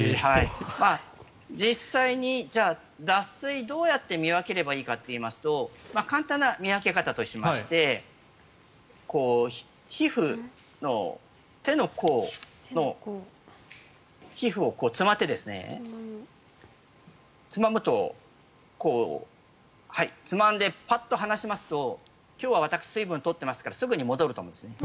実際に、じゃあ脱水どうやって見分ければいいかといいますと簡単な見分け方としまして手の甲の皮膚をつまんでつまんで、ぱっと離しますと今日は私、水分を取っていますからすぐに戻ると思うんですね。